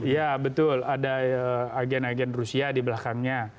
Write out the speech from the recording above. ya betul ada agen agen rusia di belakangnya